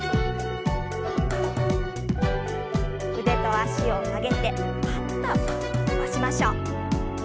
腕と脚を上げてパッと伸ばしましょう。